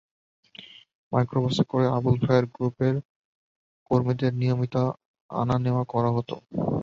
মাইক্রোবাসে করে আবুল খায়ের গ্রুপের কর্মীদের নিয়মিত অফিসে আনা-নেওয়া করা হতো।